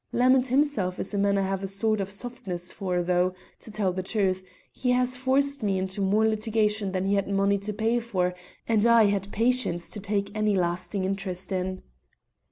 Lamond himself is a man I have a sort of softness for, though, to tell the truth, he has forced me into more litigation than he had money to pay for and I had patience to take any lasting interest in."